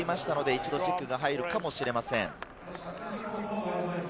一度、チェックが入るかもしれません。